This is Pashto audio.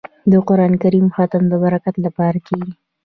د قران کریم ختم د برکت لپاره کیږي.